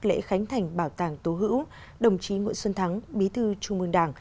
lễ khánh thành bảo tàng tố hữu đồng chí nguyễn xuân thắng bí thư trung ương đảng